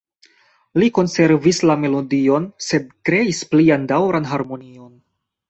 Li konservis la melodion, sed kreis plian daŭran harmonion.